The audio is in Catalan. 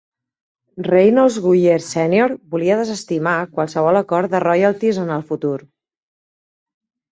Reynolds Guyer Senior volia desestimar qualsevol acord de royalties en el futur.